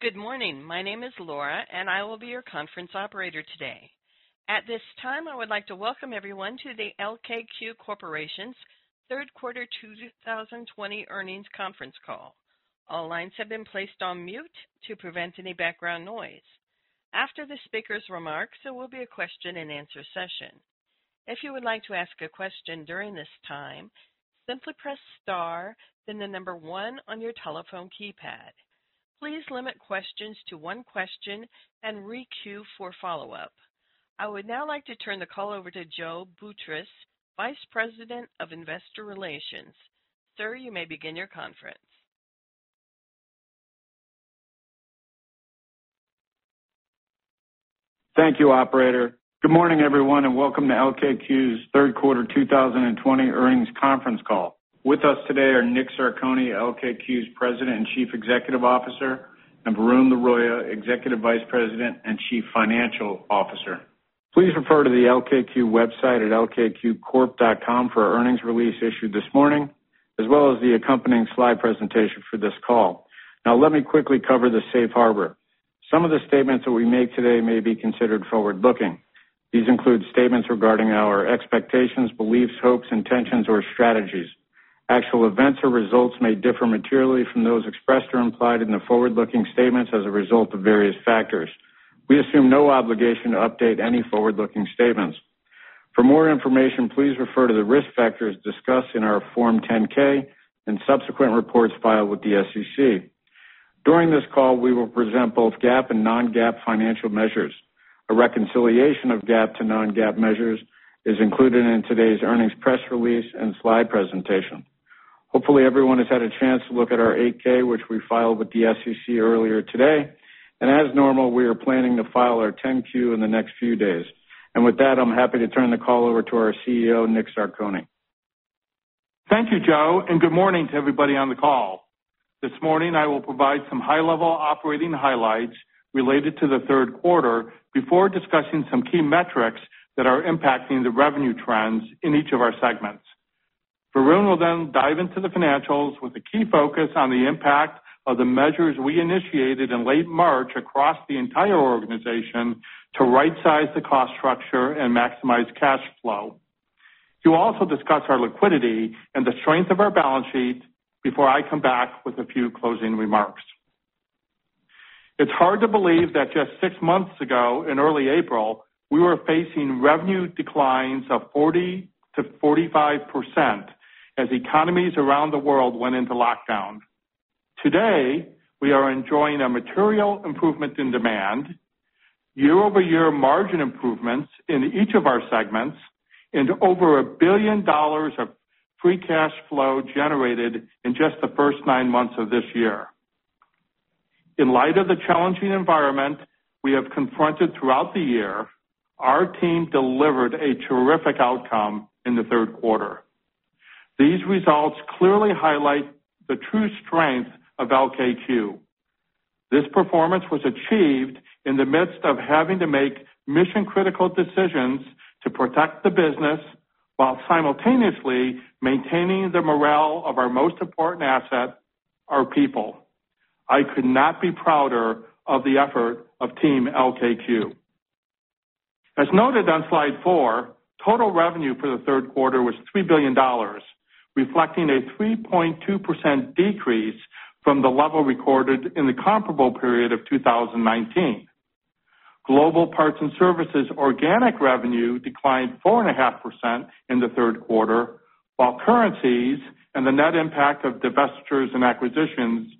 Good morning. My name is Laura, and I will be your conference operator today. At this time, I would like to welcome everyone to the LKQ Corporation's third quarter 2020 earnings conference call. All lines have been placed on mute to prevent any background noise. After the speaker's remarks, there will be a question and answer session. If you would like to ask a question during this time, simply press star, then the number one on your telephone keypad. Please limit questions to one question and re-queue for follow-up. I would now like to turn the call over to Joe Boutross, Vice President of Investor Relations. Sir, you may begin your conference. Thank you, operator. Good morning, everyone, welcome to LKQ's third quarter 2020 earnings conference call. With us today are Nick Zarcone, LKQ's President and Chief Executive Officer, and Varun Laroyia, Executive Vice President and Chief Financial Officer. Please refer to the LKQ website at lkqcorp.com for our earnings release issued this morning, as well as the accompanying slide presentation for this call. Let me quickly cover the safe harbor. Some of the statements that we make today may be considered forward-looking. These include statements regarding our expectations, beliefs, hopes, intentions, or strategies. Actual events or results may differ materially from those expressed or implied in the forward-looking statements as a result of various factors. We assume no obligation to update any forward-looking statements. For more information, please refer to the risk factors discussed in our Form 10-K and subsequent reports filed with the SEC. During this call, we will present both GAAP and non-GAAP financial measures. A reconciliation of GAAP to non-GAAP measures is included in today's earnings press release and slide presentation. Hopefully, everyone has had a chance to look at our 8-K, which we filed with the SEC earlier today. As normal, we are planning to file our 10-Q in the next few days. With that, I'm happy to turn the call over to our CEO, Nick Zarcone. Thank you, Joe, and good morning to everybody on the call. This morning, I will provide some high-level operating highlights related to the third quarter before discussing some key metrics that are impacting the revenue trends in each of our segments. Varun will then dive into the financials with a key focus on the impact of the measures we initiated in late March across the entire organization to rightsize the cost structure and maximize cash flow. He will also discuss our liquidity and the strength of our balance sheet before I come back with a few closing remarks. It's hard to believe that just six months ago, in early April, we were facing revenue declines of 40%-45% as economies around the world went into lockdown. Today, we are enjoying a material improvement in demand, year-over-year margin improvements in each of our segments, and over $1 billion of free cash flow generated in just the first nine months of this year. In light of the challenging environment we have confronted throughout the year, our team delivered a terrific outcome in the third quarter. These results clearly highlight the true strength of LKQ. This performance was achieved in the midst of having to make mission-critical decisions to protect the business while simultaneously maintaining the morale of our most important asset, our people. I could not be prouder of the effort of Team LKQ. As noted on slide four, total revenue for the third quarter was $3 billion, reflecting a 3.2% decrease from the level recorded in the comparable period of 2019. Global parts and services organic revenue declined 4.5% in the third quarter, while currencies and the net impact of divestitures and acquisitions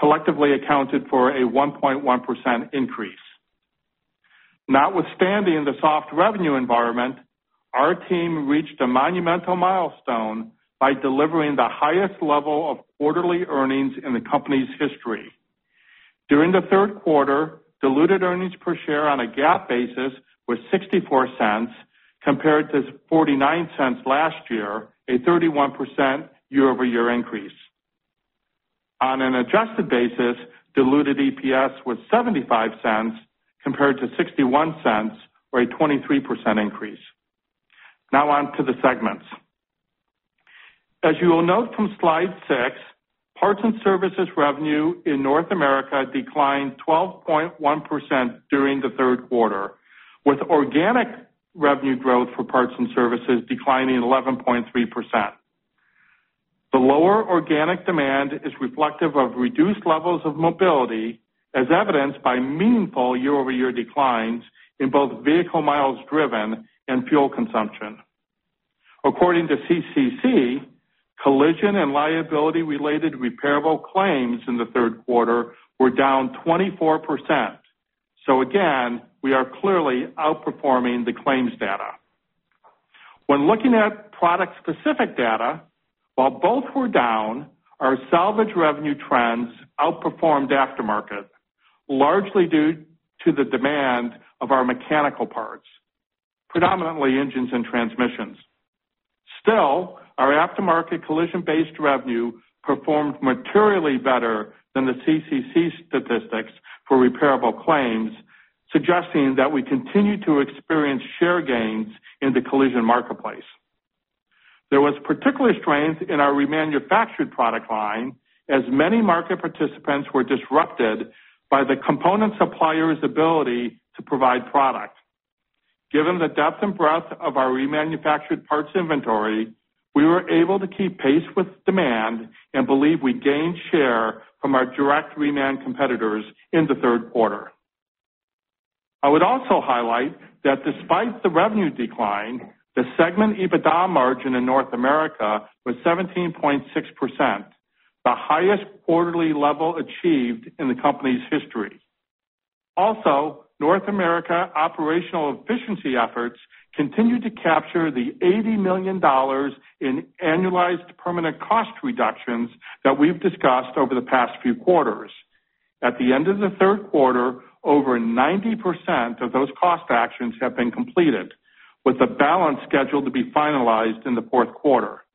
collectively accounted for a 1.1% increase. Notwithstanding the soft revenue environment, our team reached a monumental milestone by delivering the highest level of quarterly earnings in the company's history. During the third quarter, diluted earnings per share on a GAAP basis were $0.64 compared to $0.49 last year, a 31% year-over-year increase. On an adjusted basis, diluted EPS was $0.75 compared to $0.61, or a 23% increase. On to the segments. As you will note from slide six, parts and services revenue in North America declined 12.1% during the third quarter, with organic revenue growth for parts and services declining 11.3%. The lower organic demand is reflective of reduced levels of mobility, as evidenced by meaningful year-over-year declines in both vehicle miles driven and fuel consumption. According to CCC, collision and liability-related repairable claims in the third quarter were down 24%. Again, we are clearly outperforming the claims data. When looking at product-specific data, while both were down, our salvage revenue trends outperformed aftermarket, largely due to the demand of our mechanical parts, predominantly engines and transmissions. Still, our aftermarket collision-based revenue performed materially better than the CCC statistics for repairable claims, suggesting that we continue to experience share gains in the collision marketplace. There was particular strength in our remanufactured product line as many market participants were disrupted by the component supplier's ability to provide product. Given the depth and breadth of our remanufactured parts inventory, we were able to keep pace with demand and believe we gained share from our direct reman competitors in the third quarter. I would also highlight that despite the revenue decline, the segment EBITDA margin in North America was 17.6%, the highest quarterly level achieved in the company's history. Also, North America operational efficiency efforts continued to capture the $80 million in annualized permanent cost reductions that we've discussed over the past few quarters. At the end of the third quarter, over 90% of those cost actions have been completed, with the balance scheduled to be finalized in the fourth quarter.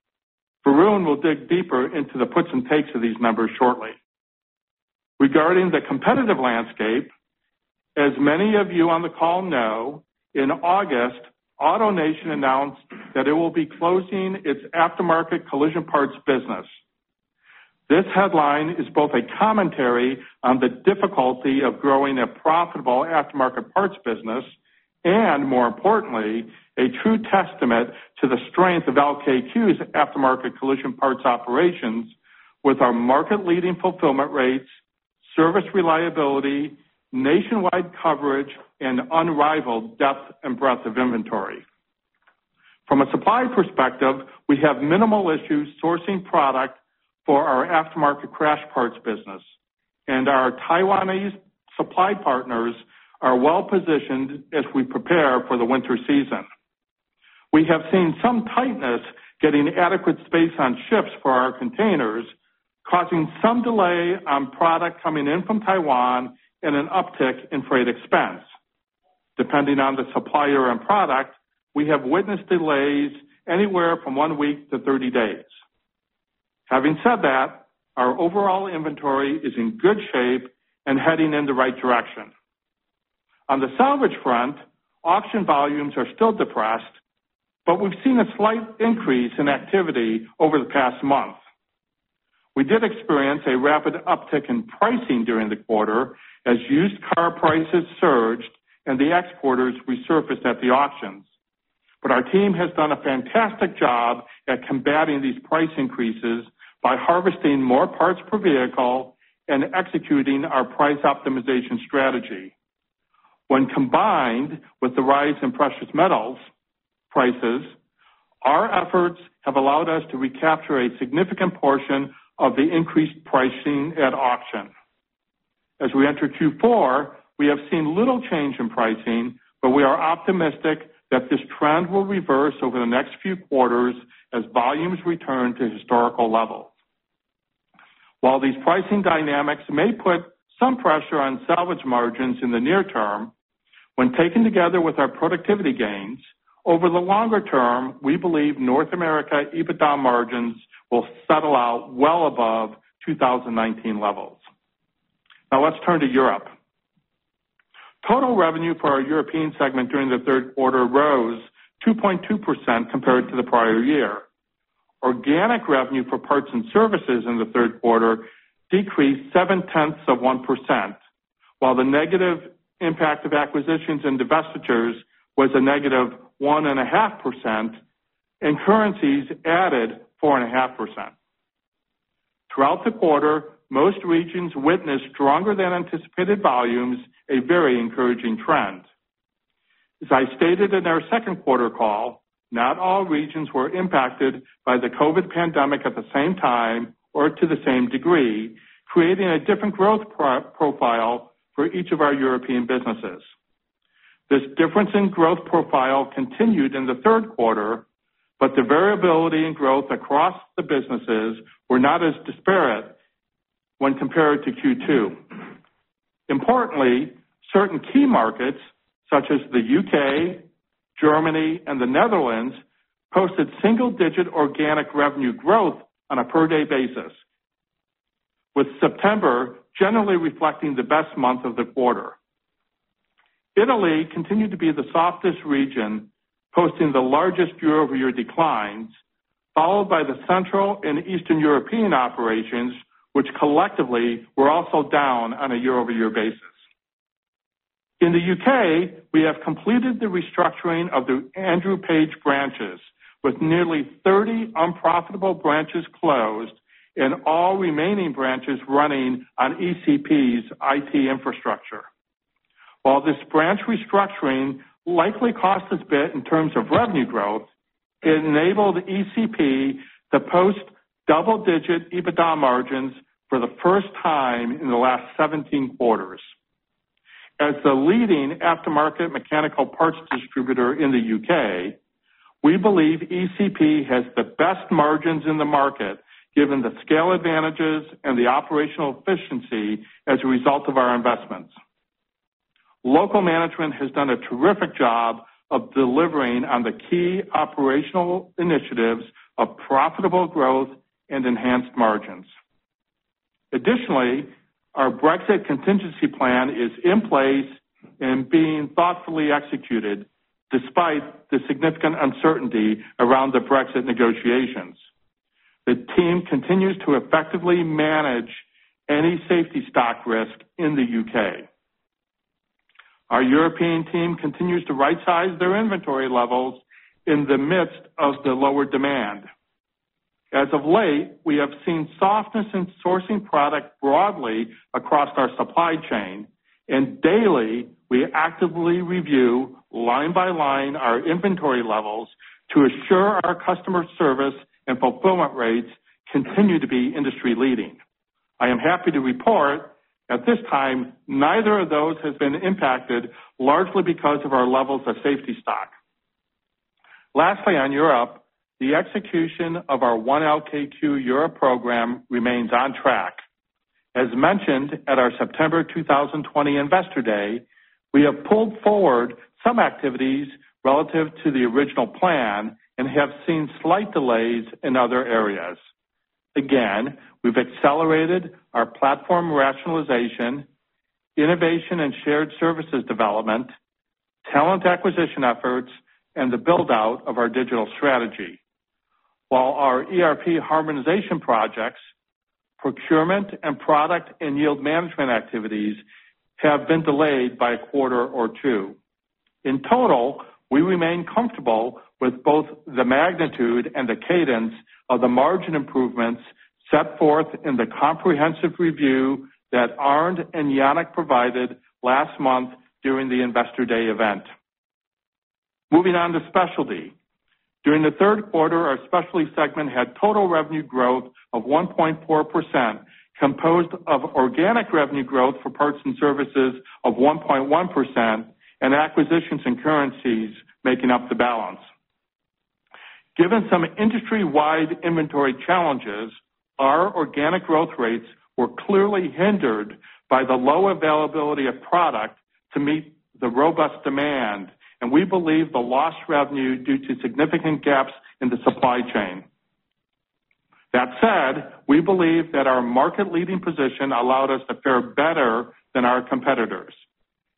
Varun will dig deeper into the puts and takes of these numbers shortly. Regarding the competitive landscape, as many of you on the call know, in August, AutoNation announced that it will be closing its aftermarket collision parts business. This headline is both a commentary on the difficulty of growing a profitable aftermarket parts business, and more importantly, a true testament to the strength of LKQ's aftermarket collision parts operations with our market-leading fulfillment rates, service reliability, nationwide coverage, and unrivaled depth and breadth of inventory. From a supply perspective, we have minimal issues sourcing product for our aftermarket crash parts business. Our Taiwanese supply partners are well-positioned as we prepare for the winter season. We have seen some tightness getting adequate space on ships for our containers, causing some delay on product coming in from Taiwan and an uptick in freight expense. Depending on the supplier and product, we have witnessed delays anywhere from one week to 30 days. Having said that, our overall inventory is in good shape and heading in the right direction. On the salvage front, auction volumes are still depressed, but we've seen a slight increase in activity over the past month. We did experience a rapid uptick in pricing during the quarter as used car prices surged and the exporters resurfaced at the auctions. Our team has done a fantastic job at combating these price increases by harvesting more parts per vehicle and executing our price optimization strategy. When combined with the rise in precious metals prices, our efforts have allowed us to recapture a significant portion of the increased pricing at auction. As we enter Q4, we have seen little change in pricing, but we are optimistic that this trend will reverse over the next few quarters as volumes return to historical levels. While these pricing dynamics may put some pressure on salvage margins in the near term, when taken together with our productivity gains, over the longer term, we believe North America EBITDA margins will settle out well above 2019 levels. Now let's turn to Europe. Total revenue for our European segment during the third quarter rose 2.2% compared to the prior year. Organic revenue for parts and services in the third quarter decreased 7/10 of 1%, while the negative impact of acquisitions and divestitures was a negative 1.5%, and currencies added 4.5%. Throughout the quarter, most regions witnessed stronger than anticipated volumes, a very encouraging trend. As I stated in our second quarter call, not all regions were impacted by the COVID pandemic at the same time or to the same degree, creating a different growth profile for each of our European businesses. This difference in growth profile continued in the third quarter, but the variability in growth across the businesses were not as disparate when compared to Q2. Importantly, certain key markets such as the U.K., Germany, and the Netherlands, posted single-digit organic revenue growth on a per-day basis, with September generally reflecting the best month of the quarter. Italy continued to be the softest region, posting the largest year-over-year declines, followed by the Central and Eastern European operations, which collectively were also down on a year-over-year basis. In the U.K., we have completed the restructuring of the Andrew Page branches, with nearly 30 unprofitable branches closed and all remaining branches running on ECP's IT infrastructure. While this branch restructuring likely cost us a bit in terms of revenue growth, it enabled ECP to post double-digit EBITDA margins for the first time in the last 17 quarters. As the leading aftermarket mechanical parts distributor in the U.K., we believe ECP has the best margins in the market given the scale advantages and the operational efficiency as a result of our investments. Local management has done a terrific job of delivering on the key operational initiatives of profitable growth and enhanced margins. Additionally, our Brexit contingency plan is in place and being thoughtfully executed despite the significant uncertainty around the Brexit negotiations. The team continues to effectively manage any safety stock risk in the U.K. Our European team continues to right-size their inventory levels in the midst of the lower demand. As of late, we have seen softness in sourcing product broadly across our supply chain, and daily, we actively review line by line our inventory levels to assure our customer service and fulfillment rates continue to be industry-leading. I am happy to report at this time, neither of those has been impacted, largely because of our levels of safety stock. Lastly, on Europe, the execution of our 1 LKQ Europe program remains on track. As mentioned at our September 2020 Investor Day, we have pulled forward some activities relative to the original plan and have seen slight delays in other areas. Again, we've accelerated our platform rationalization, innovation and shared services development, talent acquisition efforts, and the build-out of our digital strategy. While our ERP harmonization projects, procurement, and product and yield management activities have been delayed by a quarter or two. In total, we remain comfortable with both the magnitude and the cadence of the margin improvements set forth in the comprehensive review that Arnd and Yanik provided last month during the Investor Day event. Moving on to specialty. During the third quarter, our specialty segment had total revenue growth of 1.4%, composed of organic revenue growth for parts and services of 1.1% and acquisitions and currencies making up the balance. Given some industry-wide inventory challenges, our organic growth rates were clearly hindered by the low availability of product to meet the robust demand, and we believe the lost revenue due to significant gaps in the supply chain. That said, we believe that our market-leading position allowed us to fare better than our competitors.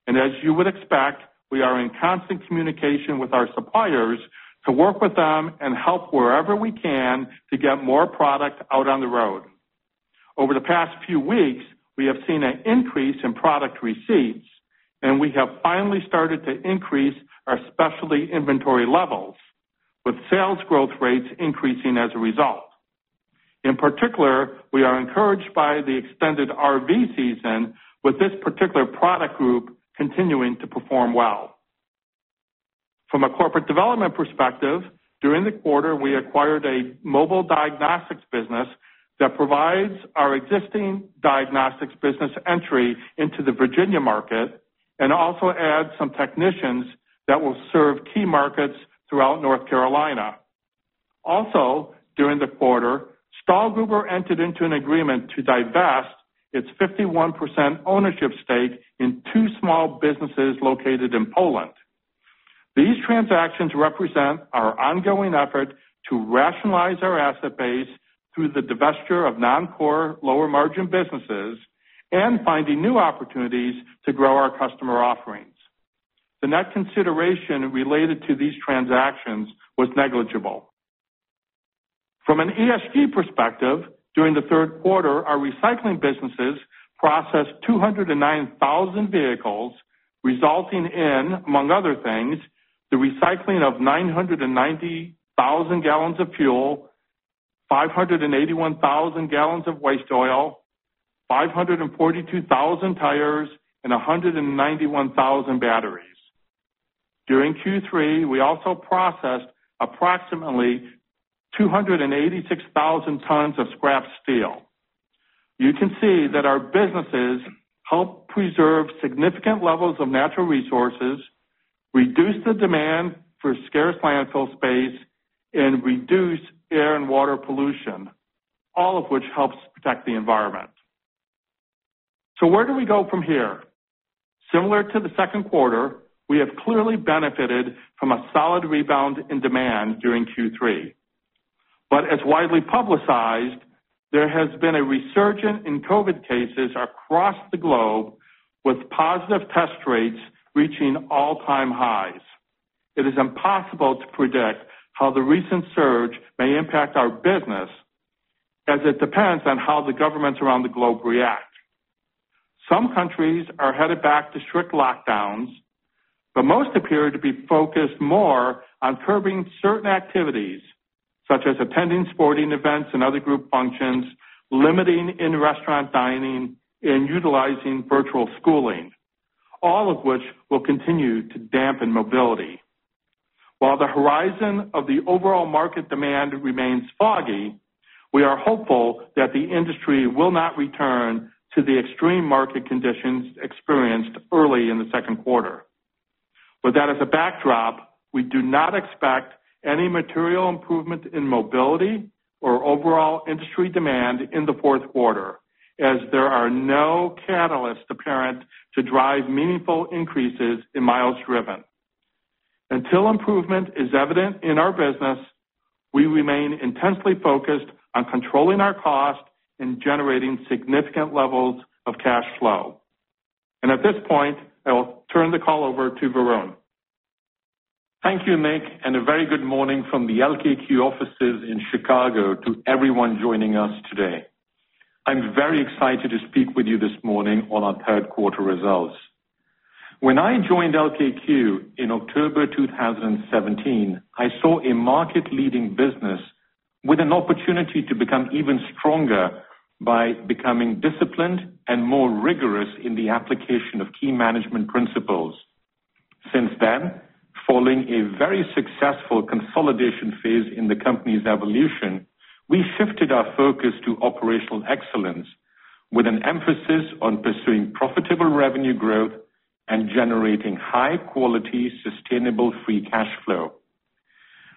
As you would expect, we are in constant communication with our suppliers to work with them and help wherever we can to get more product out on the road. Over the past few weeks, we have seen an increase in product receipts, and we have finally started to increase our specialty inventory levels, with sales growth rates increasing as a result. In particular, we are encouraged by the extended RV season, with this particular product group continuing to perform well. From a corporate development perspective, during the quarter, we acquired a mobile diagnostics business that provides our existing diagnostics business entry into the Virginia market and also adds some technicians that will serve key markets throughout North Carolina. During the quarter, Stahlgruber entered into an agreement to divest its 51% ownership stake in two small businesses located in Poland. These transactions represent our ongoing effort to rationalize our asset base through the divestiture of non-core lower margin businesses and finding new opportunities to grow our customer offerings. The net consideration related to these transactions was negligible. From an ESG perspective, during the third quarter, our recycling businesses processed 209,000 vehicles, resulting in, among other things, the recycling of 990,000 gal of fuel, 581,000 gal of waste oil, 542,000 tires, and 191,000 batteries. During Q3, we also processed approximately 286,000 tons of scrap steel. You can see that our businesses help preserve significant levels of natural resources, reduce the demand for scarce landfill space, and reduce air and water pollution, all of which helps protect the environment. Where do we go from here? Similar to the second quarter, we have clearly benefited from a solid rebound in demand during Q3. As widely publicized, there has been a resurgence in COVID cases across the globe, with positive test rates reaching all-time highs. It is impossible to predict how the recent surge may impact our business, as it depends on how the governments around the globe react. Some countries are headed back to strict lockdowns, but most appear to be focused more on curbing certain activities, such as attending sporting events and other group functions, limiting in-restaurant dining, and utilizing virtual schooling, all of which will continue to dampen mobility. While the horizon of the overall market demand remains foggy, we are hopeful that the industry will not return to the extreme market conditions experienced early in the second quarter. With that as a backdrop, we do not expect any material improvement in mobility or overall industry demand in the fourth quarter, as there are no catalysts apparent to drive meaningful increases in miles driven. Until improvement is evident in our business, we remain intensely focused on controlling our cost and generating significant levels of cash flow. At this point, I'll turn the call over to Varun. Thank you, Nick. A very good morning from the LKQ offices in Chicago to everyone joining us today. I'm very excited to speak with you this morning on our third quarter results. When I joined LKQ in October 2017, I saw a market leading business with an opportunity to become even stronger by becoming disciplined and more rigorous in the application of key management principles. Since then, following a very successful consolidation phase in the company's evolution, we shifted our focus to operational excellence with an emphasis on pursuing profitable revenue growth and generating high quality, sustainable free cash flow.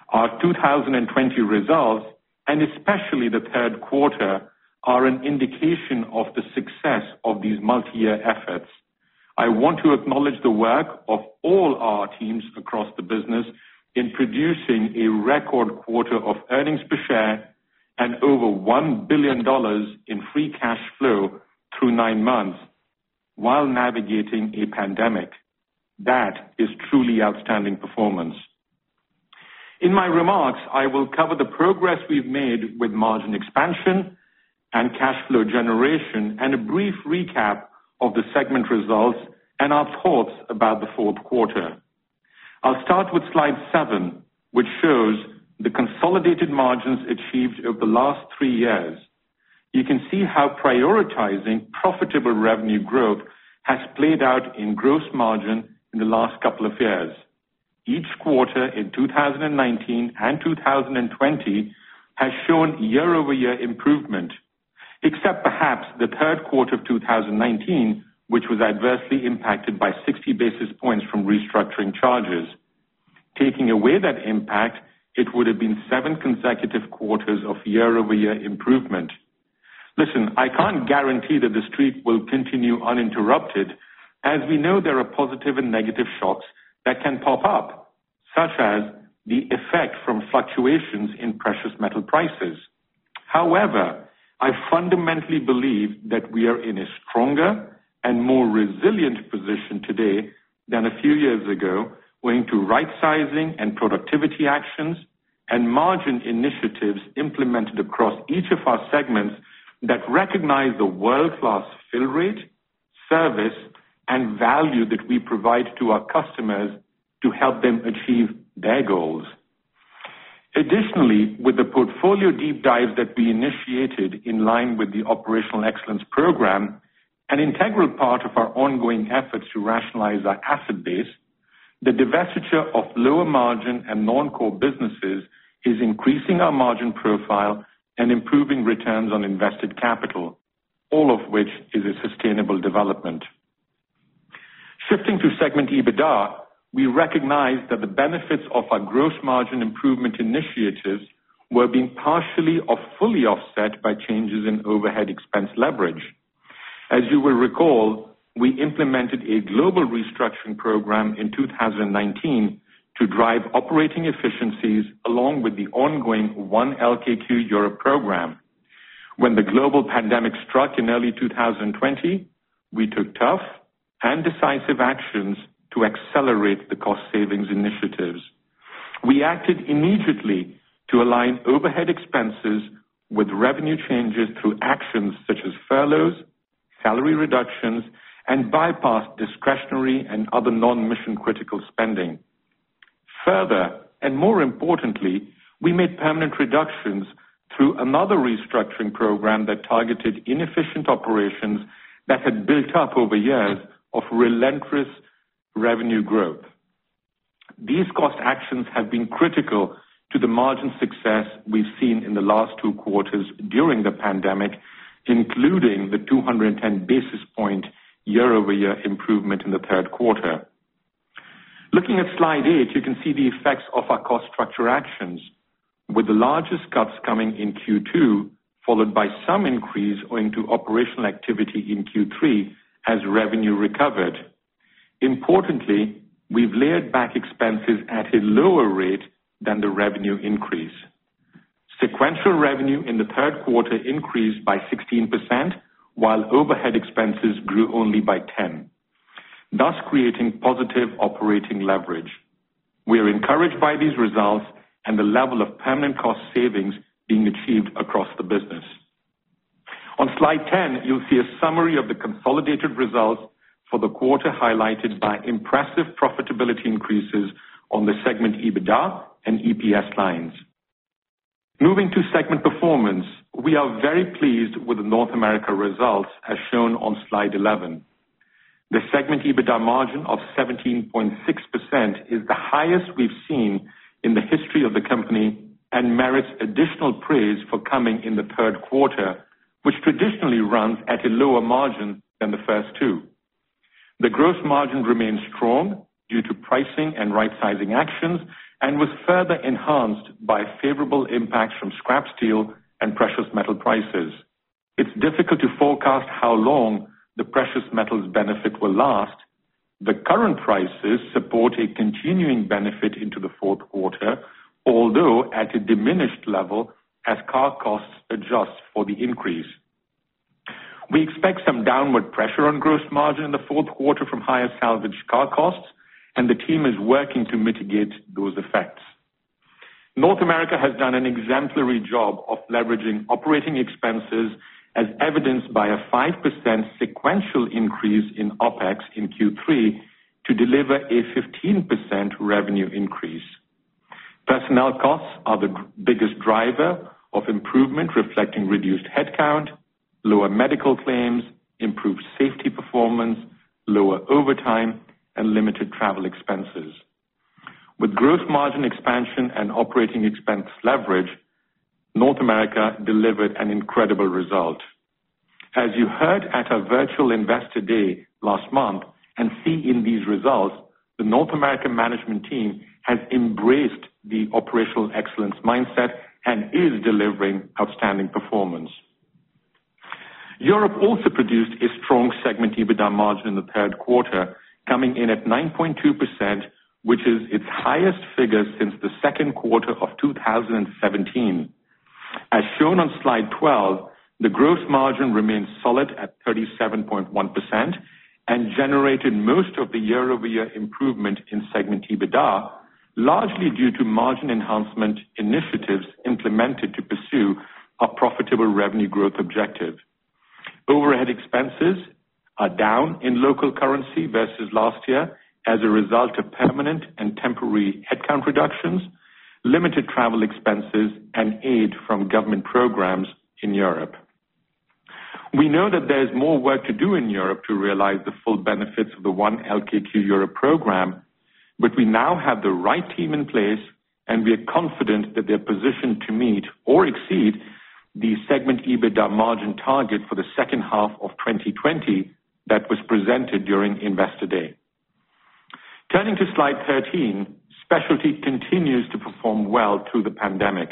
Our 2020 results, and especially the third quarter, are an indication of the success of these multi-year efforts. I want to acknowledge the work of all our teams across the business in producing a record quarter of earnings per share and over $1 billion in free cash flow through nine months while navigating a pandemic. That is truly outstanding performance. In my remarks, I will cover the progress we've made with margin expansion and cash flow generation, and a brief recap of the segment results and our thoughts about the fourth quarter. I'll start with slide seven, which shows the consolidated margins achieved over the last three years. You can see how prioritizing profitable revenue growth has played out in gross margin in the last couple of years. Each quarter in 2019 and 2020 has shown year-over-year improvement, except perhaps the third quarter of 2019, which was adversely impacted by 60 basis points from restructuring charges. Taking away that impact, it would have been seven consecutive quarters of year-over-year improvement. Listen, I can't guarantee that the streak will continue uninterrupted. As we know, there are positive and negative shocks that can pop up, such as the effect from fluctuations in precious metal prices. However, I fundamentally believe that we are in a stronger and more resilient position today than a few years ago, owing to right-sizing and productivity actions and margin initiatives implemented across each of our segments that recognize the world-class fill rate, service, and value that we provide to our customers to help them achieve their goals. Additionally, with the portfolio deep dive that we initiated in line with the Operational Excellence Program, an integral part of our ongoing efforts to rationalize our asset base, the divestiture of lower margin and non-core businesses is increasing our margin profile and improving returns on invested capital, all of which is a sustainable development. Shifting to segment EBITDA, we recognize that the benefits of our gross margin improvement initiatives were being partially or fully offset by changes in overhead expense leverage. As you will recall, we implemented a global restructuring program in 2019 to drive operating efficiencies along with the ongoing 1 LKQ Europe program. When the global pandemic struck in early 2020, we took tough and decisive actions to accelerate the cost savings initiatives. We acted immediately to align overhead expenses with revenue changes through actions such as furloughs, salary reductions, and bypassed discretionary and other non-mission critical spending. Further, and more importantly, we made permanent reductions through another restructuring program that targeted inefficient operations that had built up over years of relentless revenue growth. These cost actions have been critical to the margin success we've seen in the last two quarters during the pandemic, including the 210 basis point year-over-year improvement in the third quarter. Looking at slide eight, you can see the effects of our cost structure actions. With the largest cuts coming in Q2, followed by some increase owing to operational activity in Q3 as revenue recovered. Importantly, we've layered back expenses at a lower rate than the revenue increase. Sequential revenue in the third quarter increased by 16%, while overhead expenses grew only by 10%, thus creating positive operating leverage. We are encouraged by these results and the level of permanent cost savings being achieved across the business. On slide 10, you'll see a summary of the consolidated results for the quarter, highlighted by impressive profitability increases on the segment EBITDA and EPS lines. Moving to segment performance, we are very pleased with the North America results, as shown on slide 11. The segment EBITDA margin of 17.6% is the highest we've seen in the history of the company and merits additional praise for coming in the third quarter, which traditionally runs at a lower margin than the first two. The gross margin remained strong due to pricing and right sizing actions, and was further enhanced by favorable impacts from scrap steel and precious metal prices. It's difficult to forecast how long the precious metals benefit will last. The current prices support a continuing benefit into the fourth quarter, although at a diminished level as car costs adjust for the increase. We expect some downward pressure on gross margin in the fourth quarter from higher salvage car costs, and the team is working to mitigate those effects. North America has done an exemplary job of leveraging operating expenses as evidenced by a 5% sequential increase in OpEx in Q3 to deliver a 15% revenue increase. Personnel costs are the biggest driver of improvement, reflecting reduced headcount, lower medical claims, improved safety performance, lower overtime, and limited travel expenses. With gross margin expansion and operating expense leverage, North America delivered an incredible result. As you heard at our virtual Investor Day last month and see in these results, the North American management team has embraced the operational excellence mindset and is delivering outstanding performance. Europe also produced a strong segment EBITDA margin in the third quarter, coming in at 9.2%, which is its highest figure since the second quarter of 2017. As shown on slide 12, the gross margin remains solid at 37.1% and generated most of the year-over-year improvement in segment EBITDA, largely due to margin enhancement initiatives implemented to pursue our profitable revenue growth objective. Overhead expenses are down in local currency versus last year as a result of permanent and temporary headcount reductions, limited travel expenses, and aid from government programs in Europe. We know that there's more work to do in Europe to realize the full benefits of the 1 LKQ Europe program, but we now have the right team in place, and we are confident that they're positioned to meet or exceed the segment EBITDA margin target for the second half of 2020 that was presented during Investor Day. Turning to slide 13, specialty continues to perform well through the pandemic,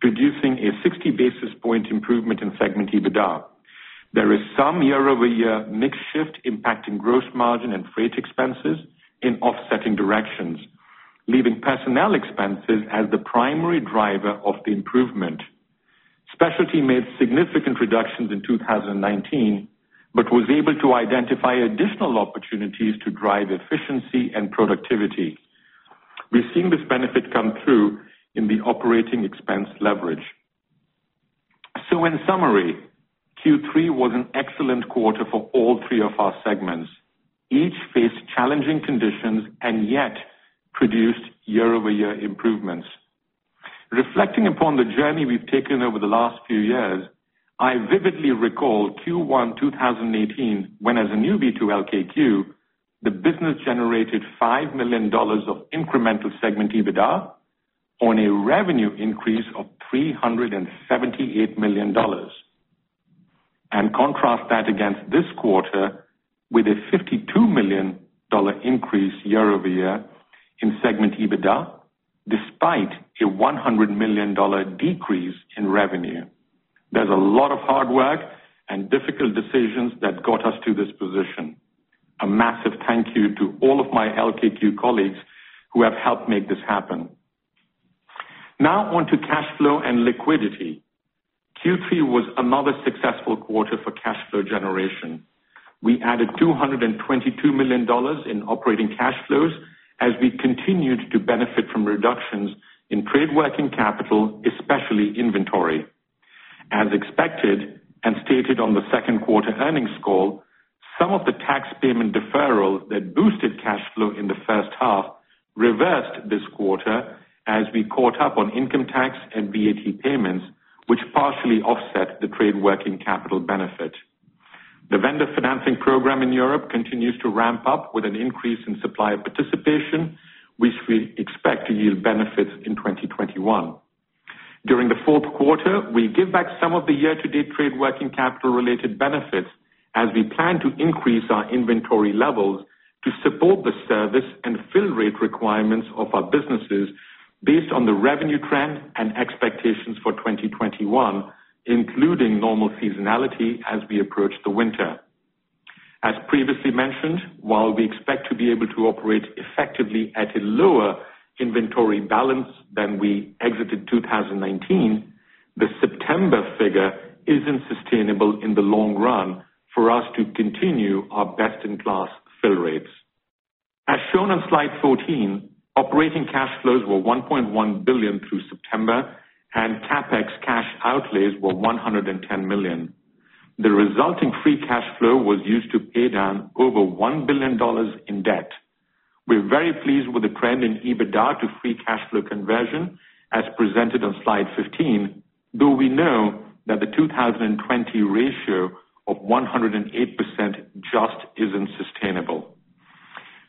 producing a 60 basis point improvement in segment EBITDA. There is some year-over-year mix shift impacting gross margin and freight expenses in offsetting directions, leaving personnel expenses as the primary driver of the improvement. Specialty made significant reductions in 2019 but was able to identify additional opportunities to drive efficiency and productivity. We've seen this benefit come through in the operating expense leverage. In summary, Q3 was an excellent quarter for all three of our segments. Each faced challenging conditions and yet produced year-over-year improvements. Reflecting upon the journey we've taken over the last few years, I vividly recall Q1 2018 when as a newbie to LKQ, the business generated $5 million of incremental segment EBITDA on a revenue increase of $378 million. Contrast that against this quarter with a $52 million increase year-over-year in segment EBITDA, despite a $100 million decrease in revenue. There's a lot of hard work and difficult decisions that got us to this position. A massive thank you to all of my LKQ colleagues who have helped make this happen. On to cash flow and liquidity. Q3 was another successful quarter for cash flow generation. We added $222 million in operating cash flows as we continued to benefit from reductions in trade working capital, especially inventory. As expected and stated on the second quarter earnings call, some of the tax payment deferral that boosted cash flow in the first half reversed this quarter as we caught up on income tax and VAT payments, which partially offset the trade working capital benefit. The vendor financing program in Europe continues to ramp up with an increase in supplier participation, which we expect to yield benefits in 2021. During the fourth quarter, we give back some of the year-to-date trade working capital related benefits as we plan to increase our inventory levels to support the service and fill rate requirements of our businesses based on the revenue trend and expectations for 2021, including normal seasonality as we approach the winter. As previously mentioned, while we expect to be able to operate effectively at a lower inventory balance than we exited 2019, the September figure isn't sustainable in the long run for us to continue our best-in-class fill rates. As shown on slide 14, operating cash flows were $1.1 billion through September, and CapEx cash outlays were $110 million. The resulting free cash flow was used to pay down over $1 billion in debt. We're very pleased with the trend in EBITDA to free cash flow conversion as presented on slide 15, though we know that the 2020 ratio of 108% just isn't sustainable.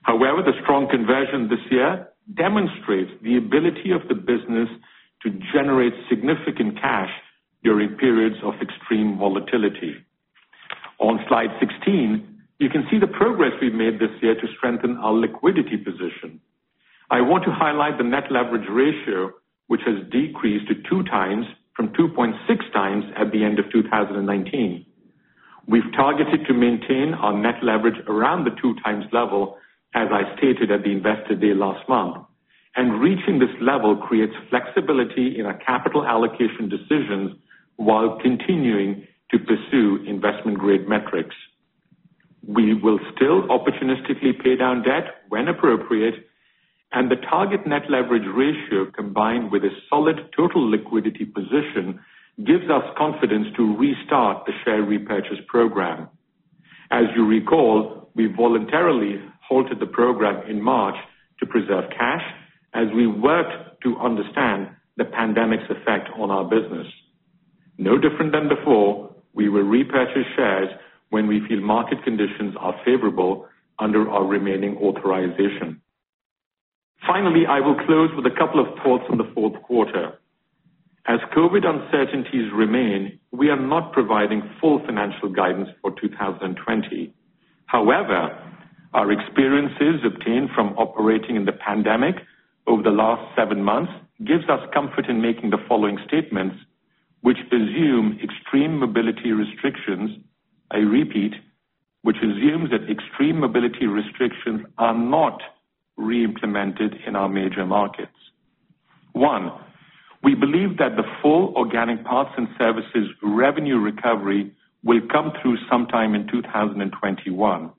The strong conversion this year demonstrates the ability of the business to generate significant cash during periods of extreme volatility. On slide 16, you can see the progress we've made this year to strengthen our liquidity position. I want to highlight the net leverage ratio, which has decreased to 2x from 2.6x at the end of 2019. We've targeted to maintain our net leverage around the 2x level, as I stated at the Investor Day last month. Reaching this level creates flexibility in our capital allocation decisions while continuing to pursue investment-grade metrics. We will still opportunistically pay down debt when appropriate, and the target net leverage ratio, combined with a solid total liquidity position, gives us confidence to restart the share repurchase program. As you recall, we voluntarily halted the program in March to preserve cash as we worked to understand the pandemic's effect on our business. No different than before, we will repurchase shares when we feel market conditions are favorable under our remaining authorization. I will close with a couple of thoughts on the fourth quarter. As COVID uncertainties remain, we are not providing full financial guidance for 2020. However, our experiences obtained from operating in the pandemic over the last seven months gives us comfort in making the following statements, which assume extreme mobility restrictions. I repeat, which assumes that extreme mobility restrictions are not re-implemented in our major markets. One, we believe that the full organic parts and services revenue recovery will come through sometime in 2021.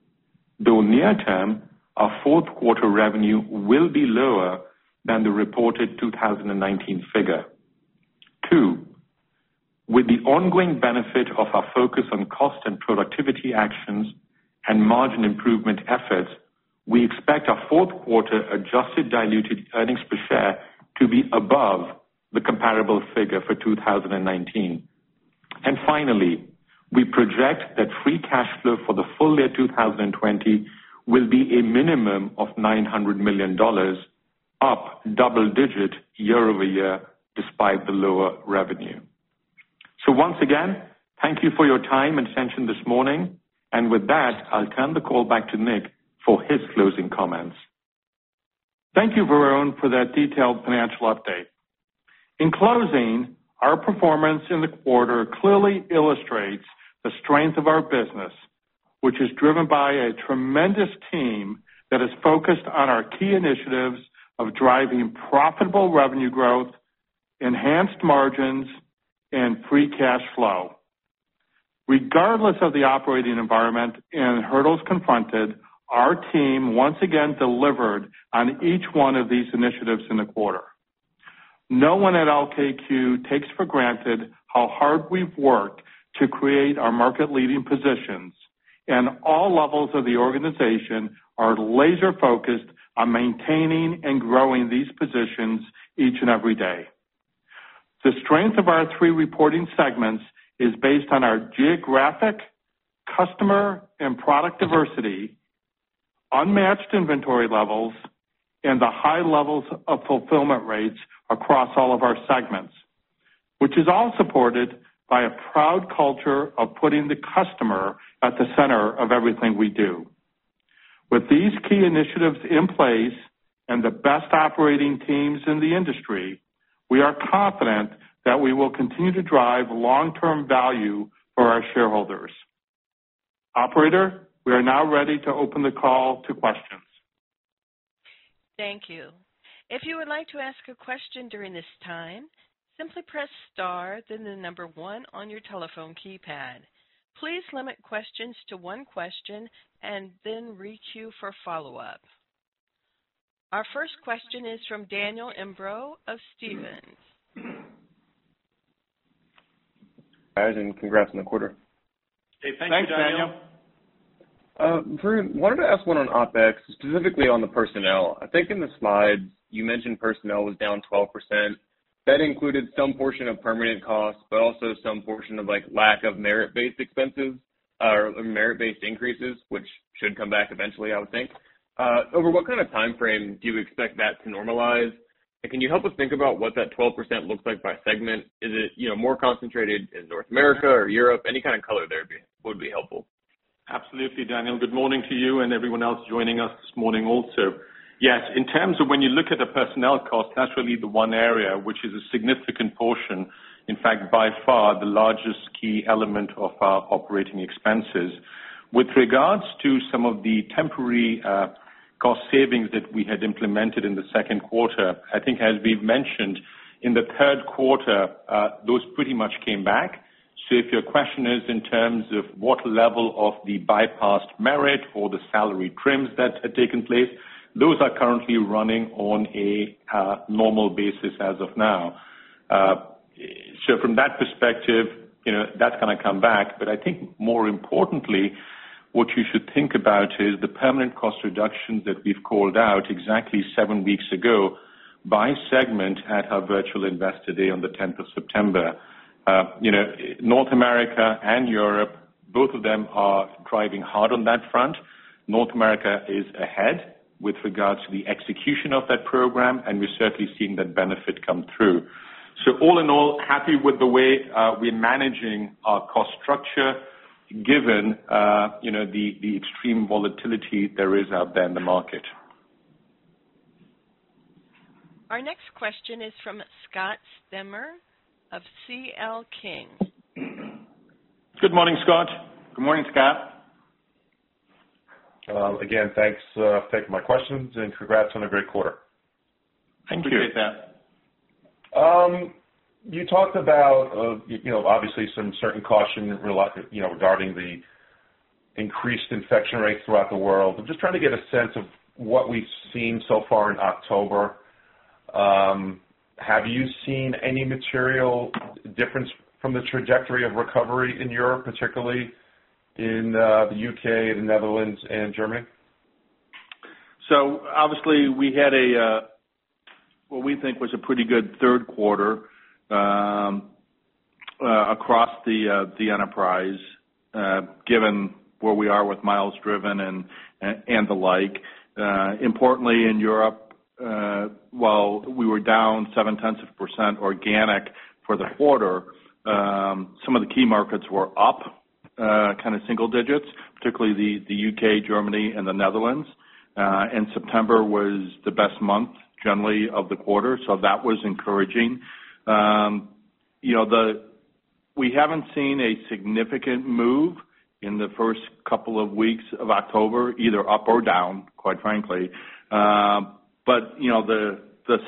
Though near term, our fourth quarter revenue will be lower than the reported 2019 figure. Two, with the ongoing benefit of our focus on cost and productivity actions and margin improvement efforts, we expect our fourth quarter adjusted diluted earnings per share to be above the comparable figure for 2019. Finally, we project that free cash flow for the full year 2020 will be a minimum of $900 million, up double digit year-over-year despite the lower revenue. Once again, thank you for your time and attention this morning. With that, I'll turn the call back to Nick Zarcone for his closing comments. Thank you, Varun, for that detailed financial update. In closing, our performance in the quarter clearly illustrates the strength of our business, which is driven by a tremendous team that is focused on our key initiatives of driving profitable revenue growth, enhanced margins, and free cash flow. Regardless of the operating environment and hurdles confronted, our team once again delivered on each one of these initiatives in the quarter. No one at LKQ takes for granted how hard we've worked to create our market leading positions, and all levels of the organization are laser-focused on maintaining and growing these positions each and every day. The strength of our three reporting segments is based on our geographic, customer, and product diversity, unmatched inventory levels, and the high levels of fulfillment rates across all of our segments, which is all supported by a proud culture of putting the customer at the center of everything we do. With these key initiatives in place and the best operating teams in the industry, we are confident that we will continue to drive long-term value for our shareholders. Operator, we are now ready to open the call to questions. Thank you. If you'd like to ask a question during this time, simply press star then number one on your telephone keypad. Please limit questions to one question and then we'll reach you for follow-up. Our first question is from Daniel Imbro of Stephens. Guys, congrats on the quarter. Hey, thank you, Daniel. Thanks. Varun, wanted to ask one on OpEx, specifically on the personnel. I think in the slide you mentioned personnel was down 12%. That included some portion of permanent costs, but also some portion of lack of merit-based expenses or merit-based increases, which should come back eventually, I would think. Over what kind of time frame do you expect that to normalize? Can you help us think about what that 12% looks like by segment? Is it more concentrated in North America or Europe? Any kind of color there would be helpful. Absolutely, Daniel. Good morning to you and everyone else joining us this morning also. In terms of when you look at the personnel cost, that's really the one area which is a significant portion, in fact, by far the largest key element of our operating expenses. With regards to some of the temporary cost savings that we had implemented in the second quarter, I think as we've mentioned in the third quarter, those pretty much came back. If your question is in terms of what level of the bypassed merit or the salary trims that had taken place, those are currently running on a normal basis as of now. From that perspective, that's going to come back. I think more importantly, what you should think about is the permanent cost reductions that we've called out exactly seven weeks ago by segment at our virtual Investor Day on the 10th of September. North America and Europe, both of them are driving hard on that front. North America is ahead with regards to the execution of that program, and we're certainly seeing that benefit come through. All in all, happy with the way we're managing our cost structure, given the extreme volatility there is out there in the market. Our next question is from Scott Stember of C.L. King. Good morning, Scott. Good morning, Scott. Again, thanks for taking my questions, and congrats on a great quarter. Thank you. Appreciate that. You talked about, obviously, some certain caution regarding the increased infection rates throughout the world. I'm just trying to get a sense of what we've seen so far in October. Have you seen any material difference from the trajectory of recovery in Europe, particularly in the U.K., the Netherlands and Germany? Obviously we had, what we think was a pretty good third quarter across the enterprise, given where we are with miles driven and the like. Importantly in Europe, while we were down seven tenths of a percent organic for the quarter, some of the key markets were up kind of single digits, particularly the U.K., Germany, and the Netherlands. September was the best month generally of the quarter. That was encouraging. We haven't seen a significant move in the first couple of weeks of October, either up or down, quite frankly. The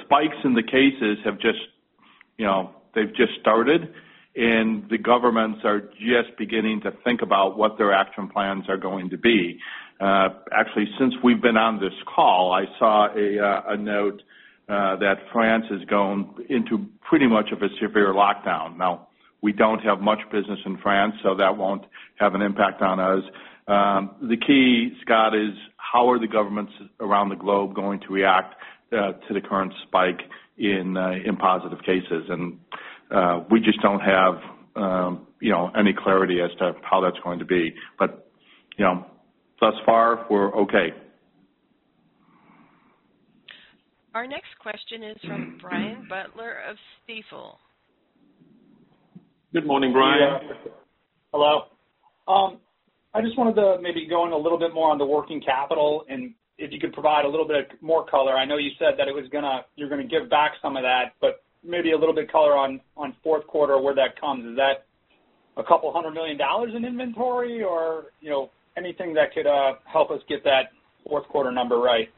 spikes in the cases they've just started, and the governments are just beginning to think about what their action plans are going to be. Actually, since we've been on this call, I saw a note that France has gone into pretty much of a severe lockdown. We don't have much business in France, so that won't have an impact on us. The key, Scott, is how are the governments around the globe going to react to the current spike in positive cases. We just don't have any clarity as to how that's going to be. Thus far, we're okay. Our next question is from Brian Butler of Stifel. Good morning, Brian. Yeah. Hello. I just wanted to maybe go in a little bit more on the working capital, and if you could provide a little bit more color. I know you said that you're going to give back some of that, maybe a little bit color on fourth quarter where that comes. Is that a couple hundred million dollars in inventory or anything that could help us get that fourth quarter number right?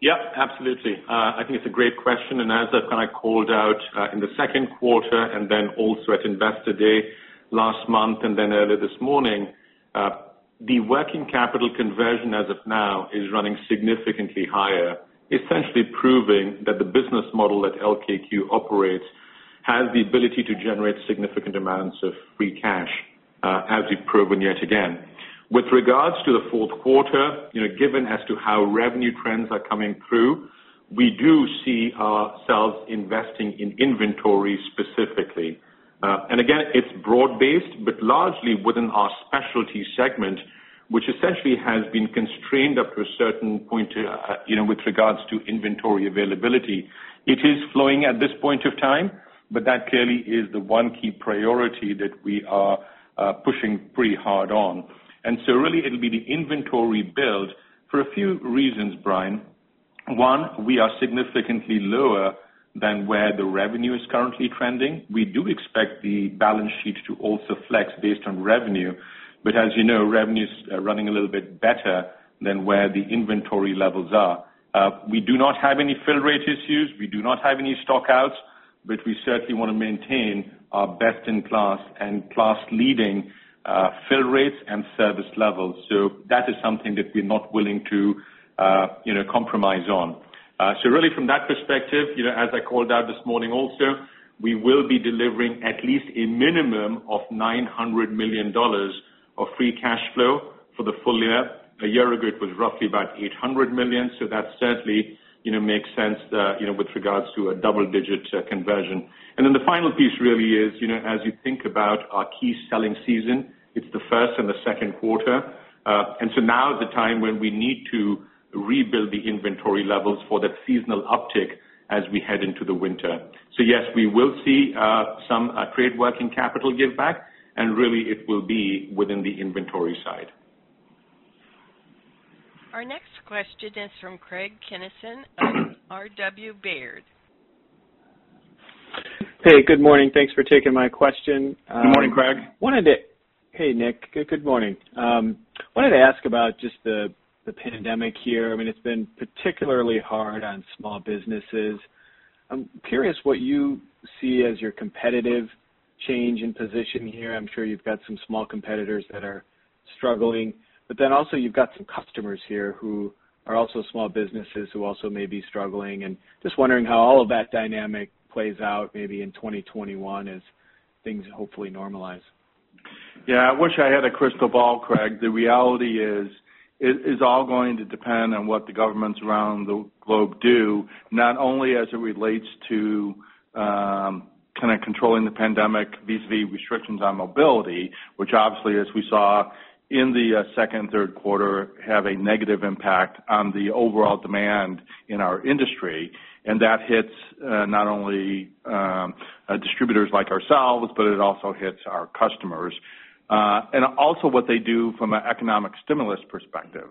Yep, absolutely. I think it's a great question. As I've kind of called out in the second quarter, then also at Investor Day last month, then earlier this morning, the working capital conversion as of now is running significantly higher. Essentially proving that the business model that LKQ operates has the ability to generate significant amounts of free cash as we've proven yet again. With regards to the fourth quarter, given as to how revenue trends are coming through, we do see ourselves investing in inventory specifically. Again, it's broad-based, but largely within our specialty segment, which essentially has been constrained up to a certain point with regards to inventory availability. It is flowing at this point of time, but that clearly is the one key priority that we are pushing pretty hard on. It'll be the inventory build for a few reasons, Brian. One, we are significantly lower than where the revenue is currently trending. We do expect the balance sheet to also flex based on revenue, but as you know, revenues are running a little bit better than where the inventory levels are. We do not have any fill rate issues. We do not have any stock-outs, but we certainly want to maintain our best-in-class and class-leading fill rates and service levels. That is something that we're not willing to compromise on. From that perspective, as I called out this morning also, we will be delivering at least a minimum of $900 million of free cash flow for the full year. A year ago, it was roughly about $800 million. That certainly makes sense with regards to a double-digit conversion. The final piece really is, as you think about our key selling season, it's the first and the second quarter. Now is the time when we need to rebuild the inventory levels for that seasonal uptick as we head into the winter. Yes, we will see some trade working capital give back, and really it will be within the inventory side. Our next question is from Craig Kennison of R.W. Baird. Hey, good morning. Thanks for taking my question. Good morning, Craig. Hey, Nick. Good morning. Wanted to ask about just the pandemic here. It's been particularly hard on small businesses. I'm curious what you see as your competitive change in position here. I'm sure you've got some small competitors that are struggling, but then also you've got some customers here who are also small businesses who also may be struggling, and just wondering how all of that dynamic plays out, maybe in 2021 as things hopefully normalize. Yeah. I wish I had a crystal ball, Craig. The reality is, it is all going to depend on what the governments around the globe do, not only as it relates to kind of controlling the pandemic vis-a-vis restrictions on mobility, which obviously, as we saw in the second and third quarter have a negative impact on the overall demand in our industry, and that hits not only distributors like ourselves, but it also hits our customers. Also what they do from an economic stimulus perspective.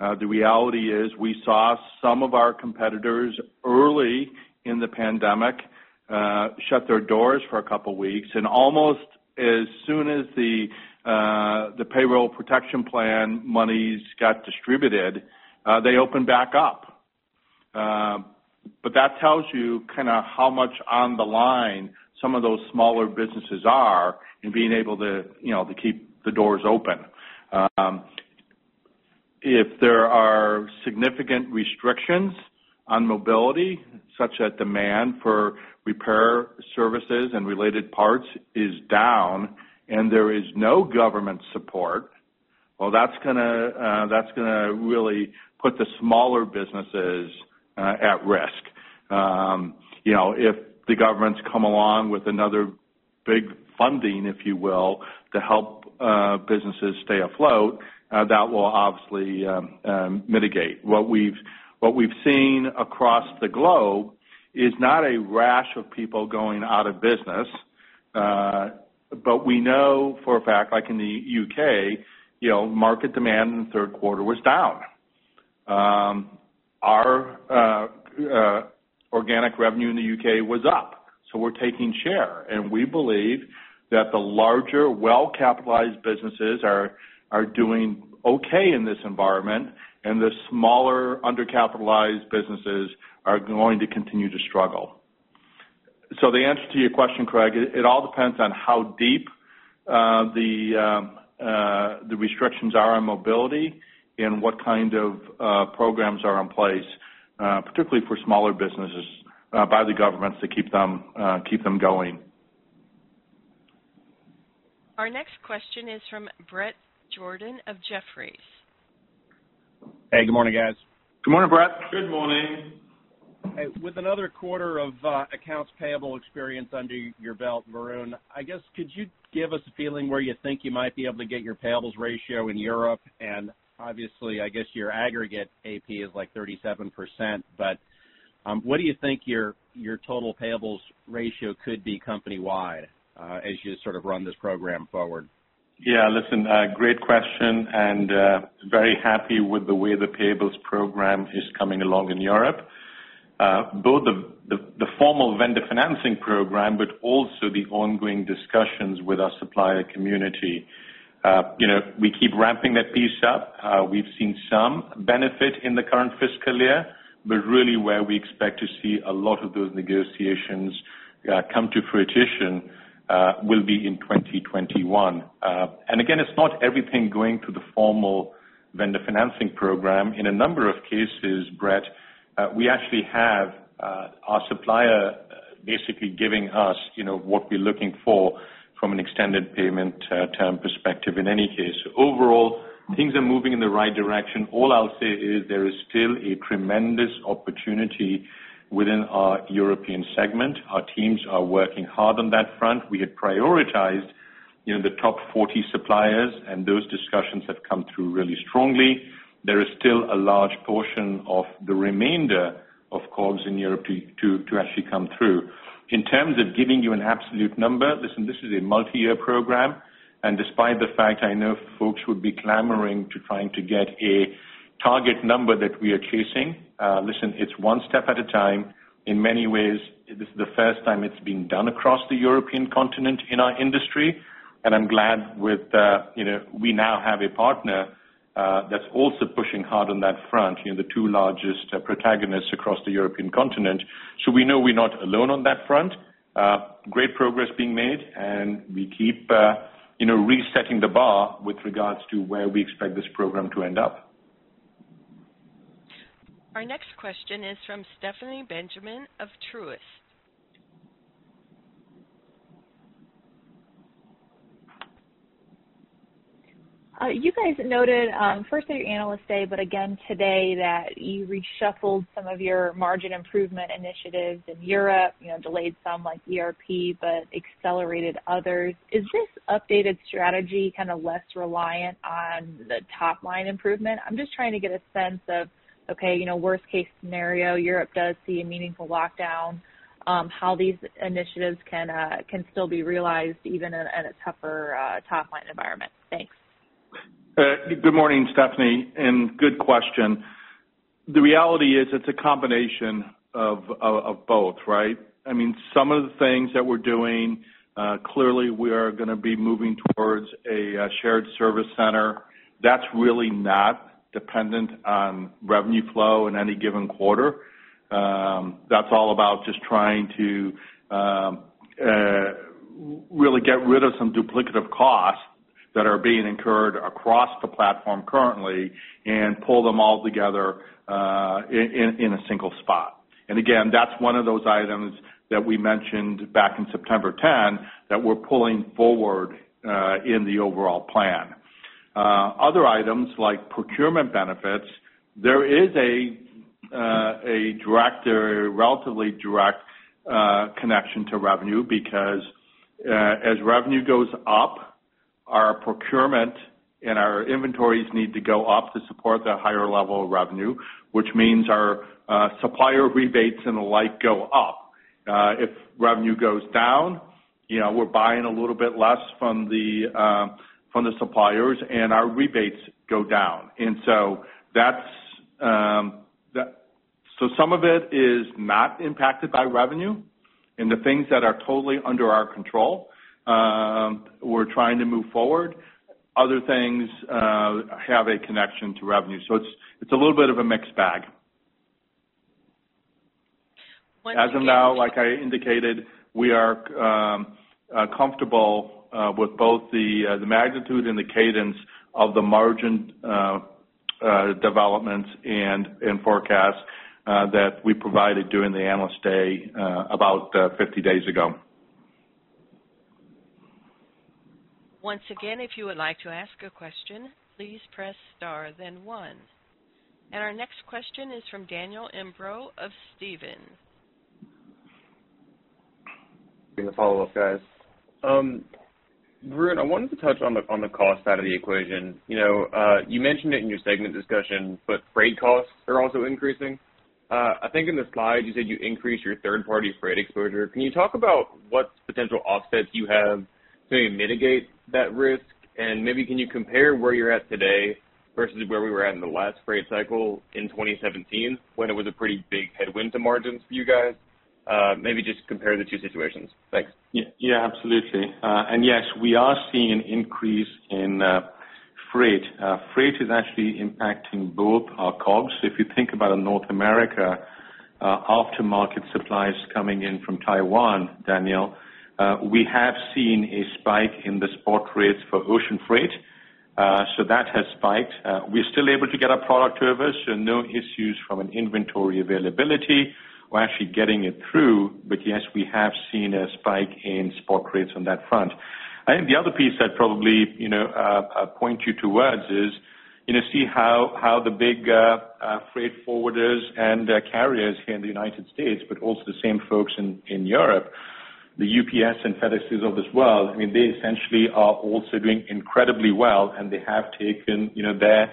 The reality is we saw some of our competitors early in the pandemic shut their doors for a couple of weeks, and almost as soon as the Paycheck Protection Program monies got distributed, they opened back up. That tells you how much on the line some of those smaller businesses are in being able to keep the doors open. If there are significant restrictions on mobility, such that demand for repair services and related parts is down and there is no government support, well, that's going to really put the smaller businesses at risk. If the governments come along with another big funding, if they will, to help businesses stay afloat, that will obviously mitigate. What we've seen across the globe is not a rash of people going out of business. We know for a fact, like in the U.K., market demand in the third quarter was down. Our organic revenue in the U.K. was up, so we're taking share, and we believe that the larger, well-capitalized businesses are doing okay in this environment, and the smaller, undercapitalized businesses are going to continue to struggle. The answer to your question, Craig, it all depends on how deep the restrictions are on mobility and what kind of programs are in place, particularly for smaller businesses by the governments to keep them going. Our next question is from Bret Jordan of Jefferies. Hey, good morning, guys. Good morning, Bret. Good morning. Hey, with another quarter of accounts payable experience under your belt, Varun, I guess could you give us a feeling where you think you might be able to get your payables ratio in Europe? Obviously, I guess your aggregate AP is like 37%, but what do you think your total payables ratio could be company-wide as you sort of run this program forward? Yeah, listen, great question. Very happy with the way the payables program is coming along in Europe. Both the formal vendor financing program, but also the ongoing discussions with our supplier community. We keep ramping that piece up. We've seen some benefit in the current fiscal year, but really where we expect to see a lot of those negotiations come to fruition will be in 2021. Again, it's not everything going to the formal vendor financing program. In a number of cases, Bret, we actually have our supplier basically giving us what we're looking for from an extended payment term perspective in any case. Overall, things are moving in the right direction. All I'll say is there is still a tremendous opportunity within our European segment. Our teams are working hard on that front. We had prioritized the top 40 suppliers, and those discussions have come through really strongly. There is still a large portion of the remainder of COGS in Europe to actually come through. In terms of giving you an absolute number, listen, this is a multi-year program, and despite the fact I know folks would be clamoring to trying to get a target number that we are chasing, listen, it's one step at a time. In many ways, this is the first time it's being done across the European continent in our industry, and I'm glad we now have a partner that's also pushing hard on that front, the two largest protagonists across the European continent. We know we're not alone on that front. Great progress being made, and we keep resetting the bar with regards to where we expect this program to end up. Our next question is from Stephanie Benjamin of Truist. You guys noted, first at your Analyst Day, but again today, that you reshuffled some of your margin improvement initiatives in Europe, delayed some like ERP, but accelerated others. Is this updated strategy kind of less reliant on the top-line improvement? I'm just trying to get a sense of, okay, worst-case scenario, Europe does see a meaningful lockdown, how these initiatives can still be realized even in a tougher top-line environment. Thanks. Good morning, Stephanie, and good question. The reality is it's a combination of both, right? Some of the things that we're doing, clearly we are going to be moving towards a shared service center. That's really not dependent on revenue flow in any given quarter. That's all about just trying to really get rid of some duplicative costs that are being incurred across the platform currently and pull them all together in a single spot. Again, that's one of those items that we mentioned back in September 10th that we're pulling forward in the overall plan. Other items like procurement benefits, there is a relatively direct connection to revenue, because as revenue goes up, our procurement and our inventories need to go up to support that higher level of revenue, which means our supplier rebates and the like go up. If revenue goes down, we're buying a little bit less from the suppliers and our rebates go down. Some of it is not impacted by revenue, and the things that are totally under our control, we're trying to move forward. Other things have a connection to revenue. It's a little bit of a mixed bag. As of now, like I indicated, we are comfortable with both the magnitude and the cadence of the margin developments and forecasts that we provided during the Analyst Day about 50 days ago. Once again if you'd like to ask a question, please press star then one. Our next question is from Daniel Imbro of Stephens. Give a follow-up, guys. Varun, I wanted to touch on the cost side of the equation. You mentioned it in your segment discussion, but freight costs are also increasing. I think in the slide, you said you increased your third-party freight exposure. Can you talk about what potential offsets you have to mitigate that risk? Maybe can you compare where you're at today versus where we were at in the last freight cycle in 2017 when it was a pretty big headwind to margins for you guys? Maybe just compare the two situations. Thanks. Yeah, absolutely. Yes, we are seeing an increase in freight. Freight is actually impacting both our COGS. If you think about in North America, aftermarket supplies coming in from Taiwan, Daniel, we have seen a spike in the spot rates for ocean freight. That has spiked. We're still able to get our product to us, no issues from an inventory availability. We're actually getting it through. Yes, we have seen a spike in spot rates on that front. I think the other piece I'd probably point you towards is, see how the big freight forwarders and carriers here in the United States, but also the same folks in Europe, the UPS and FedExes of this world, they essentially are also doing incredibly well, and they have taken their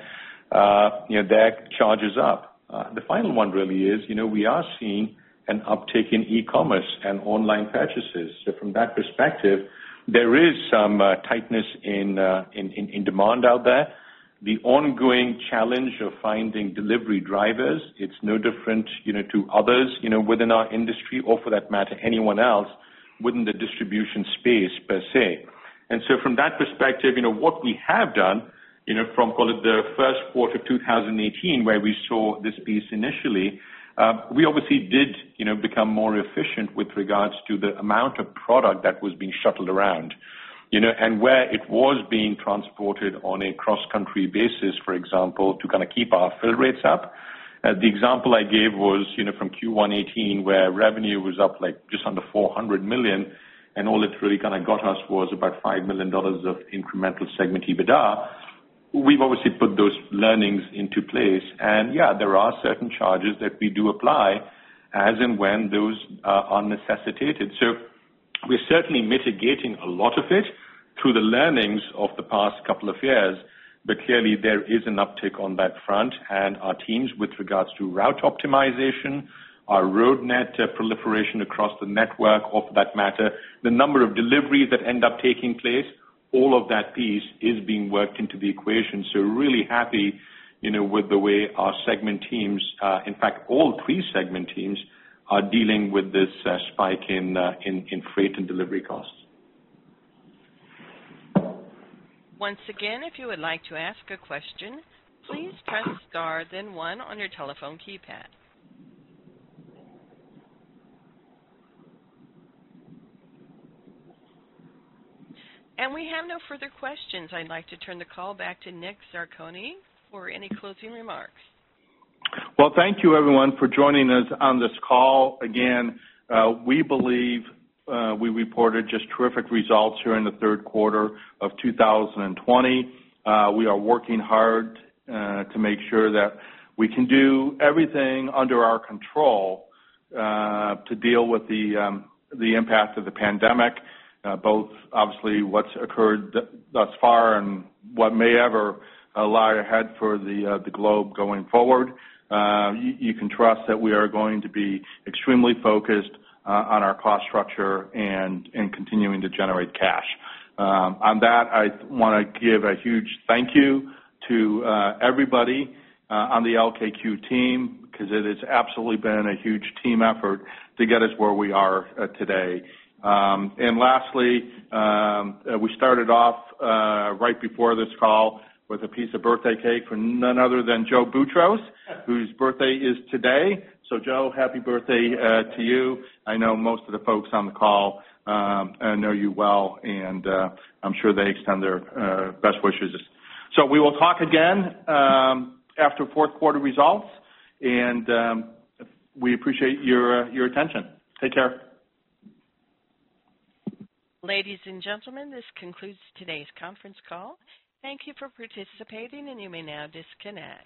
charges up. The final one really is, we are seeing an uptick in e-commerce and online purchases. From that perspective, there is some tightness in demand out there. The ongoing challenge of finding delivery drivers, it's no different to others within our industry or for that matter, anyone else within the distribution space, per se. From that perspective, what we have done, from call it the first quarter 2018, where we saw this piece initially, we obviously did become more efficient with regards to the amount of product that was being shuttled around and where it was being transported on a cross-country basis, for example, to kind of keep our fill rates up. The example I gave was from Q1 2018, where revenue was up like just under $400 million, and all it really kind of got us was about $5 million of incremental segment EBITDA. We've obviously put those learnings into place. Yeah, there are certain charges that we do apply as and when those are necessitated. We're certainly mitigating a lot of it through the learnings of the past couple of years. Clearly, there is an uptick on that front, and our teams with regards to route optimization, our Roadnet proliferation across the network or for that matter, the number of deliveries that end up taking place, all of that piece is being worked into the equation. We're really happy with the way our segment teams, in fact, all three segment teams, are dealing with this spike in freight and delivery costs. Once again if you'd like to ask a question, please press star then one on your telephone keypad. We have no further questions. I'd like to turn the call back to Nick Zarcone for any closing remarks. Well, thank you everyone for joining us on this call. Again, we believe we reported just terrific results here in the third quarter of 2020. We are working hard to make sure that we can do everything under our control to deal with the impact of the pandemic, both obviously what's occurred thus far and what may ever lie ahead for the globe going forward. You can trust that we are going to be extremely focused on our cost structure and continuing to generate cash. On that, I want to give a huge thank you to everybody on the LKQ team, because it has absolutely been a huge team effort to get us where we are today. Lastly, we started off right before this call with a piece of birthday cake for none other than Joe Boutross, whose birthday is today. Joe, happy birthday to you. I know most of the folks on the call know you well. I'm sure they extend their best wishes. We will talk again after fourth quarter results. We appreciate your attention. Take care. Ladies and gentlemen, this concludes today's conference call. Thank you for participating, and you may now disconnect.